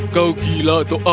kau gila atau apa